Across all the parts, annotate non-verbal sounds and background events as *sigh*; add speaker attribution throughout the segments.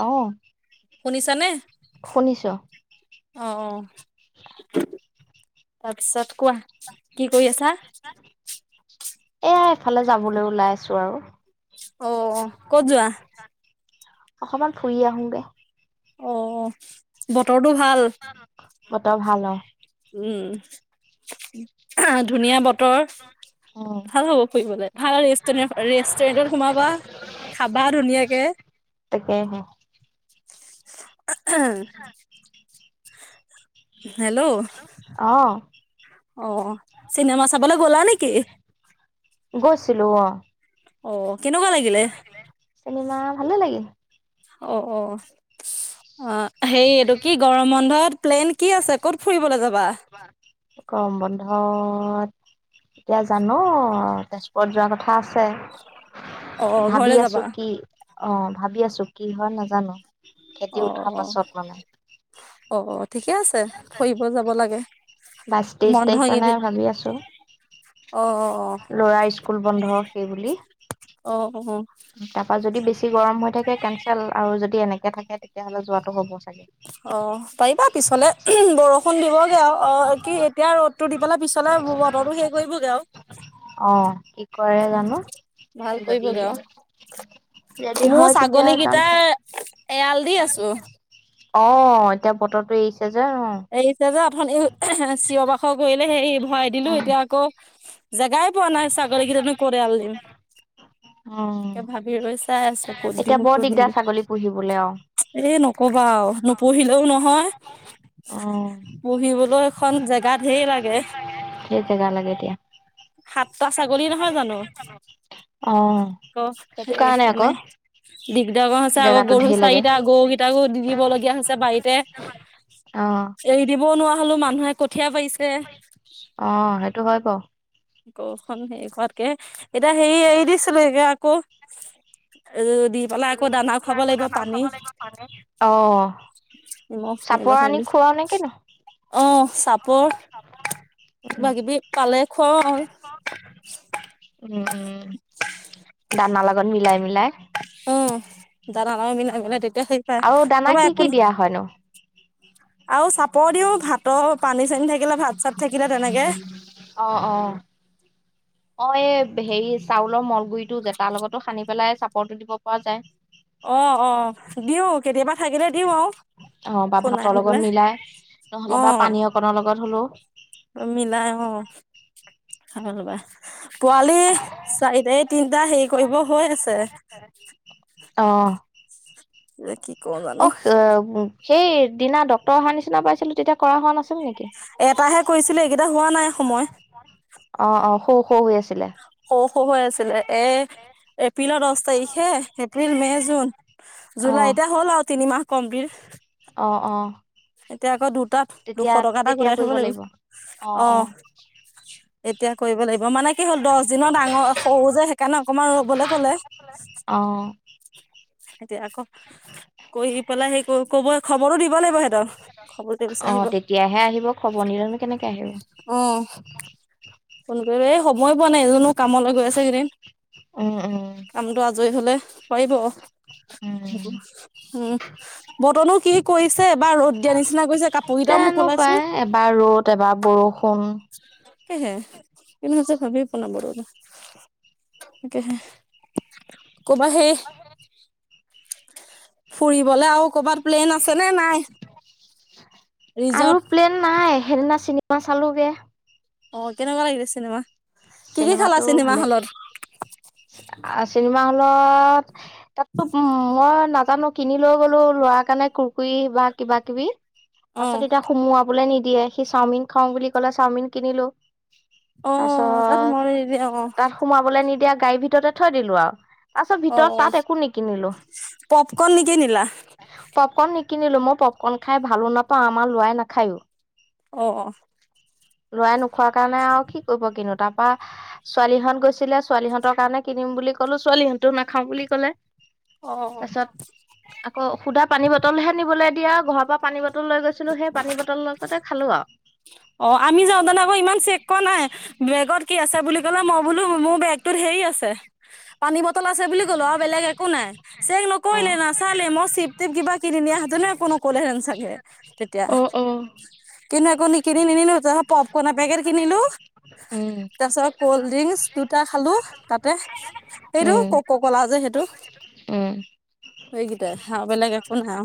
Speaker 1: অ',
Speaker 2: শুনিছা নে?
Speaker 1: শুনিছো।
Speaker 2: অ' অ' তাৰপিছত কোৱা কি কৰি আছা?
Speaker 1: এ এফালে যাবলৈ ওলাই আছো আৰু।
Speaker 2: অ' ক'ত যোৱা?
Speaker 1: অকমান ফুৰি আহোগে।
Speaker 2: অ' বতৰটো ভাল।
Speaker 1: বতৰ ভাল অ'।
Speaker 2: উম ধুনীয়া বতৰ।
Speaker 1: উম,
Speaker 2: ভাল হ'ব ফুৰিবলৈ ভাল ৰেষ্টুৰেণ্টত সোমাবা। খাবা ধুনীয়াকে।
Speaker 1: তোকে হ
Speaker 2: উম, *unintelligible* হেল্ল'
Speaker 1: অ',
Speaker 2: অ, চিনেমা চাবলে গ'লা নেকি?
Speaker 1: গৈছিলো অ'।
Speaker 2: অ' কেনেকুৱা লাগিলে?
Speaker 1: চিনেমা ভালে লাগিল।
Speaker 2: অ', অ, অ', হে এইটো কি গৰম বন্ধত প্লেন কি আছে কত ফুৰিবলৈ যাবা?
Speaker 1: কম বন্ধত এতিয়া জানো তেজপুৰত যোৱাৰ কথা আছে।
Speaker 2: অ
Speaker 1: ভাবি
Speaker 2: ঘৰলে
Speaker 1: আছো।
Speaker 2: যাবা?
Speaker 1: কি অ, ভাবি আছো। কি হয় নাজানো। খেতি উঠাৰ
Speaker 2: অ',
Speaker 1: পাছত মানে।
Speaker 2: অ, অ, ঠিকে আছে। ফুৰিব যাব লাগে।
Speaker 1: বাইছ তেইশ
Speaker 2: বন্ধ
Speaker 1: তাৰিখ মানে
Speaker 2: এইকেইদিন
Speaker 1: ভাবি আছো
Speaker 2: অ
Speaker 1: লৰা স্কুল বন্ধ সেই বুলি।
Speaker 2: অ', অ'
Speaker 1: তাৰপা যদি বেছি গৰম হৈ থাকে কেনঞ্চেল আৰু যদি এনেকে থাকে তেতিয়াহ'লে যোৱাাতটো হ'ব। চাগে।
Speaker 2: *unintelligible* অ', পাৰিবা পিছলৈ বৰষুণ দিবগৈ আৰু অ' কি এতিয়া ৰ'দটো দি পেলাই পিছলৈ বতৰটো শেষ কৰিব গাও।
Speaker 1: অ', কি কৰে জানো
Speaker 2: ভাল
Speaker 1: যদী
Speaker 2: কৰিবগে আৰু মোৰ ছাগলী কেইটাাৰ
Speaker 1: চাগে।
Speaker 2: এৰাল দি আছো।
Speaker 1: অ', এতিয়া বতৰটো এৰিছে যে ন।
Speaker 2: এৰিছে যে আথন চিঞ বাখৰ কৰিলে সেই ভৰাই দিলো
Speaker 1: উম,
Speaker 2: এতিয়া আকৌ জেগাই পোৱা নাই ছাগলী কেইানো কৰি আল দিম
Speaker 1: উম,
Speaker 2: তাকে ভাবিছ। তাই আছো ক'ত দিওঁ কৰি নিলো।
Speaker 1: বোলেও
Speaker 2: এ, নকবা নপঢ়িলেও নহয়।
Speaker 1: উম,
Speaker 2: পুহিবলৈ এখন জেগা ঢেৰ লাগে।
Speaker 1: সেই জেগা লাগে এতিয়া
Speaker 2: সাতটা ছাগলী নহয় জানো
Speaker 1: অ',
Speaker 2: আকৌ
Speaker 1: সেইটো কাৰণে আকৌ
Speaker 2: সকাৰণে দিগদাৰ হৈছে আকৌ
Speaker 1: জেগাটো
Speaker 2: গৰু
Speaker 1: ধেৰ লাগে।
Speaker 2: চাৰিটা গৰু কেইটাকো দি দিব লগগীয়া হৈছে বাৰীতে।
Speaker 1: অ'।
Speaker 2: এৰি দিবও নোৱাৰা হলেও মানুহে কঠীয়া পাৰিছে।
Speaker 1: অ', সেইটো হয় বাৰু।
Speaker 2: ক খ সেখনতকে এতিয়া হেৰি এৰি দিছিলো এ আকৌ এ
Speaker 1: পালে আকৌ দানা খাব লাগিব মানে অ,।
Speaker 2: নিমখ
Speaker 1: চাপৰ
Speaker 2: নিমখ
Speaker 1: আনি
Speaker 2: ঢালি
Speaker 1: খুৱাও নেকী ন?
Speaker 2: অ' চাপৰ কিবা কিবি পালে খুৱাও
Speaker 1: ক
Speaker 2: আৰু
Speaker 1: উম, উম, দানা লগত মিলাই-মিলাই
Speaker 2: অ', দানা ন মিলাই মিলাই তেতিয়া সেই পাই নবা একোন
Speaker 1: হয় ন
Speaker 2: আৰু চাপৰ দিওঁ ভাতৰ পানী চানী থাকিলে ভাত চাত থাকিলে। তেনেকে
Speaker 1: অ', অ,। অ', এই হেৰি চাউলৰ মলগুৰিটো যে তাৰ লগতো সানি পেলাই চাপৰটো দিব পৰা যায়।
Speaker 2: অ', অ' দিওঁ। কেতিয়াবা থাকিলে দিওঁ আৰু
Speaker 1: অ বা
Speaker 2: খুনাই
Speaker 1: ভাতৰ
Speaker 2: আনিলে অ,।
Speaker 1: পনৰ লগত হ'লো
Speaker 2: মিলাই অ,। হ'লবা পোৱালি চাৰিটা তিনটা হেৰি কৰিব হৈ আছে।
Speaker 1: *unintelligible* অ'।
Speaker 2: ৰকি
Speaker 1: অ' সেই দিনা ডক্তৰৰ অহাৰ নিচিনা পাইছিলো তেতিয়া কৰা হোৱা নাছিল নেকি?
Speaker 2: এটাহে কৰিছিলে, এইকেইটা হোৱা নাই সময়।
Speaker 1: অ', অ' সৌ সৰু হৈ আছিলে।
Speaker 2: সৰু-সৰু হৈ আছিলে এ, এপ্ৰিলৰ দহ তাৰিখে এপ্ৰিল, মে', জুন
Speaker 1: অ
Speaker 2: জুলাই এতিয়া হ'ল আৰু তিনিমাহ কমপ্লিট।
Speaker 1: অ', অ'।
Speaker 2: এতিয়া আকৌ দুটাত দুশ
Speaker 1: তেতিয়া
Speaker 2: টকা এটা
Speaker 1: তেতিয়া
Speaker 2: ঘূটাই থ'ব
Speaker 1: কৰিব
Speaker 2: লাগিব অ'। এতিয়া কৰিব লাগিব মানে কি হ'ল দহ দিনত ডাঙৰ সৰু যে সেইকাৰণে অকমান ৰবলৈ ক'লে।
Speaker 1: অ'।
Speaker 2: এতিয়া আকৌ কৈ পেলাই সেই কব খবৰো দিব লাগিব সিহঁতৰ। খবৰটো
Speaker 1: অ
Speaker 2: বিচাৰিব,
Speaker 1: তেতিয়াহে আহিব খবৰ নিলেনো কেনেকে আহিব
Speaker 2: অ'। ফোন কৰিব এই সময় পোৱা নাই এজনো কামলৈ গৈ আছে কেইদিন।
Speaker 1: উম উম
Speaker 2: কামটো আজৰি হলে কৰিব।
Speaker 1: উম
Speaker 2: উম, বতৰনো কি কৰিছে এবাৰ ৰ'দ দিয়া নিচিনা কৰিছে কাপোৰ কেইটাও
Speaker 1: এনো
Speaker 2: মোকোলাইছো
Speaker 1: পাই এবাৰ ৰ'দ এবাৰ বৰষুণ।
Speaker 2: সেয়েহে এনেতি ভাবি পোৱা নাই। তাকেহে কবা সেই ফুৰিবলে আৰু কৰ'বাত প্লেন আছে নে নাই?
Speaker 1: আৰু
Speaker 2: ৰিজৰ্ট
Speaker 1: প্লেন নাই, সেইদিনা চিনেমা চালোগে।
Speaker 2: অ' কেনেকুৱা লাগিলে চিনেমা? কি কি খালা
Speaker 1: চিনেমাটো
Speaker 2: চিনেমা হলত?
Speaker 1: আ চিনেমা হলত তাততো উ, মই নাজানো কিনি লৈ গলো ল'ৰাৰ কাৰণে কুৰকুৰি বা কিবা কিবি তাৰ
Speaker 2: অ
Speaker 1: পাছত এতিয়া সোমোৱা বোলে নিদিয়ে, সি চাওমিন খাওঁ বুলি ক'লে চাওমিন কিনিলো।
Speaker 2: অ' তাত
Speaker 1: তাৰপিছত তাত
Speaker 2: *unintelligible*
Speaker 1: সোমাবলৈ নিদিয়া গাড়ীৰ ভিতৰতে থৈ দিলো আৰু। তাৰপিছত
Speaker 2: অ
Speaker 1: ভিতৰত
Speaker 2: অ
Speaker 1: তাত একো নিকিনিলো।
Speaker 2: পপকৰ্ণ নিকিনিলা
Speaker 1: পপকৰ্ণ নিকিনিলো মই পপকৰ্ন খাই ভালো নাপাওঁ, আমাৰ ল'ৰায় নাখায়ো।
Speaker 2: অ, অ।
Speaker 1: ল'ৰাই নোখোৱাৰ কাৰণে আৰু কি কৰিব কিনো তাৰ পৰা ছোৱালীহঁত গৈছিলে ছোৱালীহঁতৰ কাৰণে কিনিম বুলি ক'লো ছোৱালীহঁতো নাখাও বুলি ক'লে।
Speaker 2: অ অ
Speaker 1: তাৰপাছত আকৌ সুধা পানী বটলহে নিবলৈ দিয়া ঘৰৰ পৰা পানী বট টল লৈ গৈছিলো সেই পানী বটল লগতে খালো আৰু।
Speaker 2: অ' আমি যাওঁ তানে আকৌ ইমান চেক ক নাই, বেগত কি আছে বুলি ক'লে মই বোলো মোৰ বেগটোত হেৰি আছে। পানী বটল আছে বুলি কলো আৰু বেলেগ একো নাই, চেক
Speaker 1: আৰু অ
Speaker 2: নকৰিলে না চালে মই চিপ-টিপ কিবা কিনি নিয়া হঁতনে একো নক'লেহেন চাগে তেতিয়া।
Speaker 1: অ অ
Speaker 2: কিনো একো নিকিনি নিনিলো পপকৰ্ন এপেকেট কিনিলো।
Speaker 1: উম।
Speaker 2: তাৰ পাছত কল্ড ড্ৰিংকচ দুটা খালো তাতে সেইটো
Speaker 1: উম
Speaker 2: কক' ক'লা যে সেইটো। এইকেইটাই হা বেলেগ একো নাই।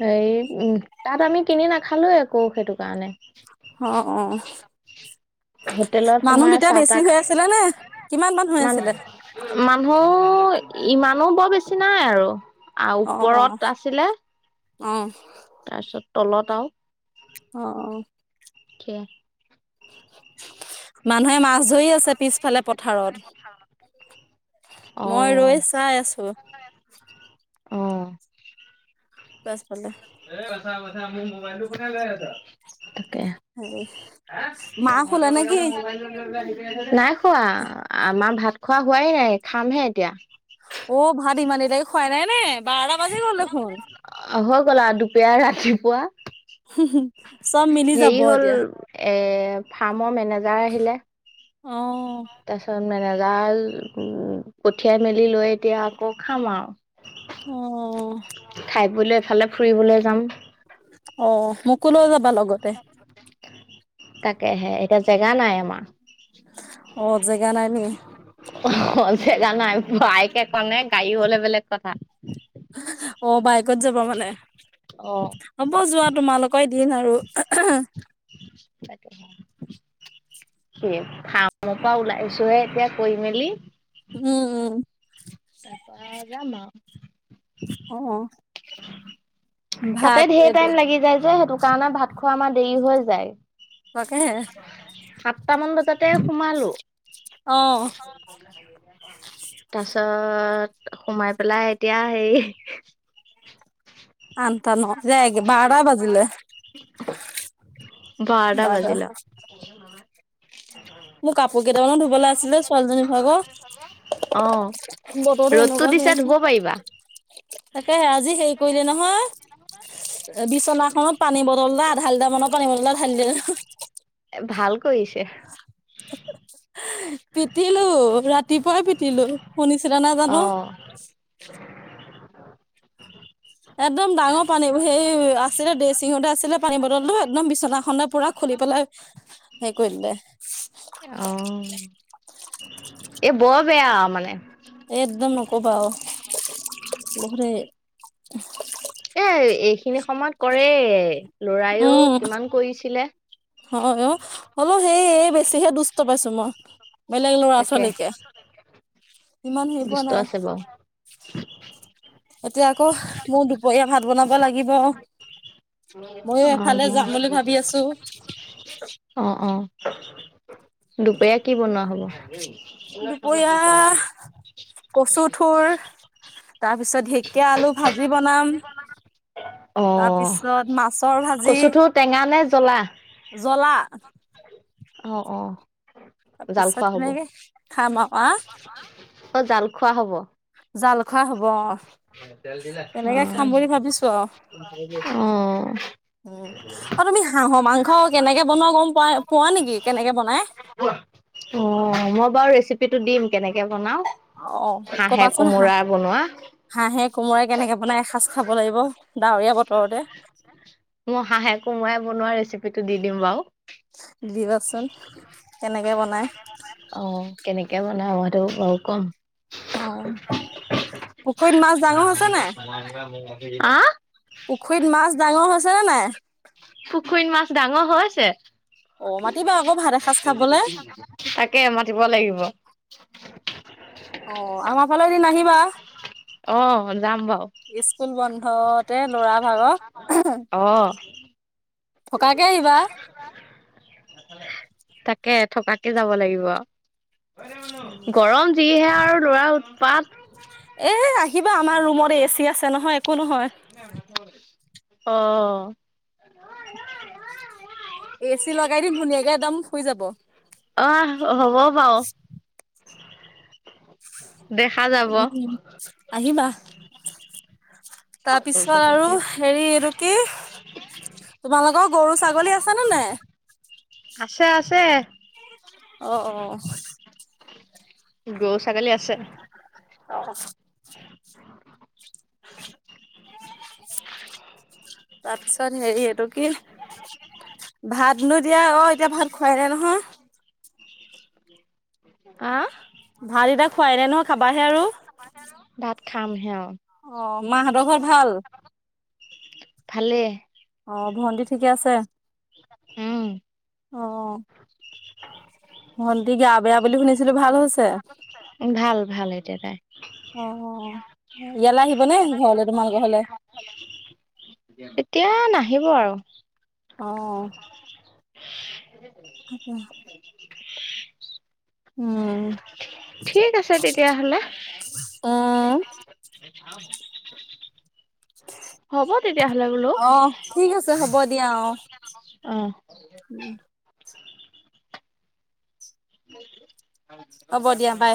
Speaker 1: হেৰি উম, তাত আমি কিনি নাখালো আকৌ সেইটো কাৰণে।
Speaker 2: অ, অ।
Speaker 1: হোটেলত
Speaker 2: মানুহ
Speaker 1: সোমাই
Speaker 2: তেতিয়া
Speaker 1: চাহ
Speaker 2: বেছি
Speaker 1: তাহ
Speaker 2: হৈ আছিলে নে কিমান মানুহ হৈ
Speaker 1: মান
Speaker 2: আছিলে?
Speaker 1: মানুহ ইমানো বৰ বেছি নাই আৰু আ ওপৰত আছিলে।
Speaker 2: অহ।
Speaker 1: তাৰপিছত তলত আৰু।
Speaker 2: অ অ।
Speaker 1: *inaudible*
Speaker 2: মানুহে মাছ জৰি আছে পিছফালে পথাৰত,
Speaker 1: অ
Speaker 2: মই ৰৈ চাই আছো।
Speaker 1: অ
Speaker 2: পাছফালে।
Speaker 1: এ বথা বথা ম মবাইলটো কথাই গৈ ত
Speaker 2: হেৰি মা শুলে নে কি
Speaker 1: নাই খোৱা আমাৰ ভাত খোৱা হোৱাই নাই খামহে এতিয়া।
Speaker 2: অ' ভাত ইমান দিলাকি খুৱাই নাই নে বাৰটা বাজি গ'ল দেখোন।
Speaker 1: অ' হৈ গ'ল আৰু দুপাৰ ৰাতিপুৱা
Speaker 2: চব মিলি যাব
Speaker 1: হেৰি হ'ল
Speaker 2: এতিয়া
Speaker 1: এ ফাৰ্মৰ মেনেজাৰ আহিলে।
Speaker 2: অ'
Speaker 1: তাৰ পিছত মেেজাল উ পঠিয়াই মেলি লৈ এতিয়া আকৌ খাম আৰু।
Speaker 2: অ'।
Speaker 1: বুললে এফালে ফুৰিবলৈ যাম।
Speaker 2: অ' মোকোলৈও যাবা লগতে।
Speaker 1: তাকেহে এতিয়া জেগা নাই আমাৰ।
Speaker 2: অ' জেগা নাই নেকি?
Speaker 1: অ' জেগা নাই বাইকে ক নে গাড়ী হলে বেলেগ কথা।
Speaker 2: *unintelligible* অ' বাইকত যাব মানে
Speaker 1: অ
Speaker 2: হ'ব যোৱা তোমালোকৰ দিন আৰ।
Speaker 1: তাকে পৰা ওলাই আহিছোহে এতিয়া কৈ মেলি।
Speaker 2: উম, উম।
Speaker 1: তাৰপা যাম আৰু।
Speaker 2: অ'
Speaker 1: তাতে
Speaker 2: ভাত
Speaker 1: ধঢেৰ
Speaker 2: এইটো
Speaker 1: টাইম লাগি যায় যে সেইটো কাৰণে ভাত খোৱা আমাৰ দেৰি হৈ যায়।
Speaker 2: তাকেহে
Speaker 1: সাতটামান বজাতে সোমালো।
Speaker 2: অ
Speaker 1: *unintelligible* তাৰ পিছত সোমাই পেলাই এতিয়া হেৰি
Speaker 2: আন্তনো
Speaker 1: বাৰটা বাজিলা *unintelligible*
Speaker 2: মোৰ কাপোৰ কেইটামানো ধুবলৈ আছিলে ছোৱালীজনীৰ ভাগৰ।
Speaker 1: অ' ৰ'দটো দিছে ধুব পাৰিবা।
Speaker 2: তাকে আজি হেৰি কৰিলে নহয় বিচনা অলপ পানী বটল এ আধাটাৰ মানৰ পানী বটলা আধা লিটাৰ
Speaker 1: ভাল কৰিছে।
Speaker 2: *unintelligible* পিটিলো ৰাতিপুৱাই পিটিলো শুনিছিলা নে
Speaker 1: অ
Speaker 2: জানো একদম ডাঙৰ পানী সেই আছিলে ড্ৰেছিং সতে আছিলে পানী বটল টো একদম বিচনা খনৰ পুৰা খুলি পেলাই হে কৰিলে।
Speaker 1: অ' এ বৰ বেয়া মানে
Speaker 2: একদম নক'বা গখৰে
Speaker 1: এ এইখিনি সময়ত কৰে লৰাইয়ও কিমান কৰিছিলে।
Speaker 2: অ', অ' হলও সেই বেছিহে দুষ্ট পাইছো মই। বেলেগ লৰা
Speaker 1: তাকে
Speaker 2: ছোৱালীকে ইমান হেৰি পোৱা
Speaker 1: দুষ্ট
Speaker 2: নাই।
Speaker 1: আছে বাৰু
Speaker 2: এতিয়া আকৌ মোৰ দুপৰীয়া ভাত বনাব লাগিব। ময়ো এফালে
Speaker 1: অ'
Speaker 2: যাম বুলি ভাবি আছো।
Speaker 1: অ', অ' দুপৰীয়া কি বনোৱা হ'ব?
Speaker 2: দুপৰীয়া কচু থোৰ তাৰ পিছত ঢেকীয়া আলু ভাজি বনাম।
Speaker 1: অ
Speaker 2: তাৰ পিছত মাছৰ ভাজি
Speaker 1: টেঙানে জ্বলা?
Speaker 2: জলা।
Speaker 1: অ, অ,
Speaker 2: তাৰ
Speaker 1: জাল
Speaker 2: পিছত
Speaker 1: খোৱা হ'ব
Speaker 2: কেনেকে খাম আৰু আ
Speaker 1: অ, জাল খোৱা হ'ব।
Speaker 2: জাল খোৱা হ'ব অ, তেনেকে খাম বুলি ভাবিছো
Speaker 1: অ,
Speaker 2: আৰু
Speaker 1: অ,
Speaker 2: উম, আৰু তুমি হাঁহৰ মাংস কেনেকে বনোৱা গম প, পোৱা নেকি কেনেকে বনাই।
Speaker 1: অ, মই বাৰু ৰেচিপি টো দিম কেনেকে বনাঁও।
Speaker 2: অ
Speaker 1: হাঁহে
Speaker 2: কবাচোন হাঁহ
Speaker 1: কোমোৰা বনোৱা।
Speaker 2: হাঁহে কোমোৰা কেনেকে বনাই এসাঁজ খাব লাগিব ডাৱৰীয়া বতৰতে।
Speaker 1: মই হাঁহে কোমৰা বনোৱা ৰেচিপি টো দি দিম বাৰু।
Speaker 2: দি দিবাচোন কেনেকে বনাই।
Speaker 1: অ, কেনেকে বনাও আৰু বাৰু কম।
Speaker 2: অ, পুখুৰীত মাছ ডাঙৰ আছে নাই।
Speaker 1: *unintelligible* আহ',
Speaker 2: পুখুৰীত মাছ ডাঙৰ হৈছে নে নাই।
Speaker 1: পুখুৰত মাছ ডাঙৰ হৈছে।
Speaker 2: অ' মাতিবা আকৌ ভাত এসাঁজ খাবলে।
Speaker 1: তাকে মাতিব লাগিব।
Speaker 2: অ, আমাৰ ফালে এদিন আহিবা।
Speaker 1: অ, যাম বাৰু।
Speaker 2: স্কুল বন্ধতে ল'ৰা ভাগৰ।
Speaker 1: অ,
Speaker 2: থকাকে আহিবা।
Speaker 1: তাকে থকাকে যাব লাগিব আৰু। গৰম যিহে আৰু ল'ৰা উৎপাত।
Speaker 2: এ আহিবা আমাৰ ৰুমত এচি আছে নহয় একো নহয়।
Speaker 1: অ,
Speaker 2: এচি লগাই দিম ধুনীয়াকে একদম শুই যাব।
Speaker 1: আহ হ'ব বাৰু। দেখা যাব
Speaker 2: উম, আহ আহিবা। তাৰ পিছত আৰু হেৰি এইটো। কি? তোমালোকৰ গৰু ছাগলী আছ নে নাই।
Speaker 1: আছে আছে।
Speaker 2: অ, অ,
Speaker 1: গৰু ছাগলী আছে।
Speaker 2: অ, তাৰ পিছত হেৰি, এইটো কি ভাতনো দিয়া অ এতিয়া ভাত খোৱাই নাই নহয়।
Speaker 1: আহ,
Speaker 2: ভাল এতিয়া খুৱাই নে নহয় খাবাহে আৰু।
Speaker 1: ভাত খামহে আৰু
Speaker 2: অ, মা হঁতৰ ঘৰত ভাল।
Speaker 1: ভালেই
Speaker 2: অ, ভণ্টি ঠিকে আছে।
Speaker 1: উম,
Speaker 2: অ, ভণ্টি গা বেয়া বুলি শুনিছিলো ভাল হৈছে?
Speaker 1: ভাল, ভাল এতিয়া তাই।
Speaker 2: অ, অ', ইয়ালৈ আহিব নে ঘৰলে তোমাল ঘৰলে?
Speaker 1: এতিয়া নাহিব আৰু।
Speaker 2: অ,
Speaker 1: *unintelligible*
Speaker 2: উমঁ,
Speaker 1: ঠিক আছে তেতিয়াহ'লে
Speaker 2: অঁহ',।
Speaker 1: *unintelligible* হ'ব তেতিয়াহ'লে বোলো,
Speaker 2: অ ঠিক আছে হ'ব
Speaker 1: অঁহ',।
Speaker 2: উম।
Speaker 1: *unintelligible*
Speaker 2: হ'ব দিয়া বাই।